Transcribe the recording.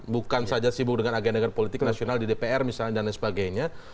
bukan saja sibuk dengan agenda agenda politik nasional di dpr misalnya dan lain sebagainya